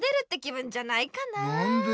なんで？